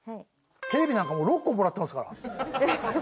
テレビなんかもう６個もらってますから。